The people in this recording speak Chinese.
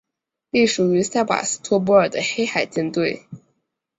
隶属于塞瓦斯托波尔的黑海舰队。